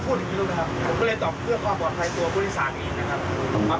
ผมก็เลยตอบเพื่อความปลอดภัยตัวผู้โดยสารเองนะครับ